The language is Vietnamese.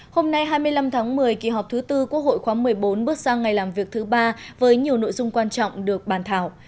hôm nay hai mươi năm tháng một mươi kỳ họp thứ tư quốc hội khóa một mươi bốn bước sang ngày làm việc thứ ba với nhiều nội dung quan trọng được bàn thảo